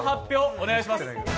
お願いします。